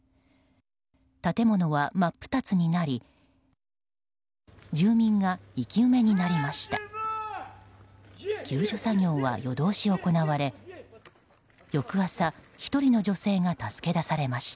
建物は真っ二つになり住民が生き埋めになりました。